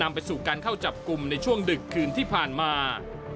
ไปสู่การเข้าจับกลุ่มในช่วงดึกคืนที่ผ่านมา